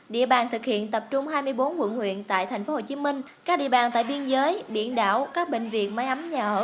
địa bàn thực hiện tập trung hai mươi bốn quận huyện tại tp hcm các địa bàn tại biên giới biển đảo các bệnh viện máy ấm nhà ở